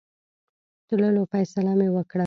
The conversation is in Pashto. تللو فیصله مې وکړه.